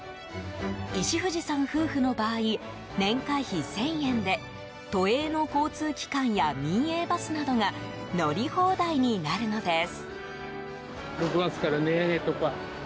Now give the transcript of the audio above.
石藤さん夫婦の場合年会費１０００円で都営の交通機関や民営バスなどが乗り放題になるのです。